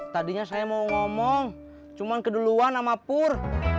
tadinya saya mau ngomong cuma keduluan sama pur